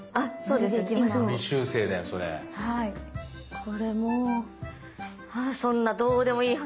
これもうあそんなどうでもいい話。